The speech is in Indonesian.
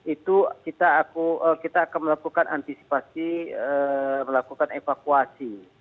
itu kita akan melakukan antisipasi melakukan evakuasi